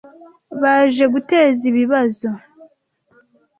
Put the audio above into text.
Baje guteza ibibazo.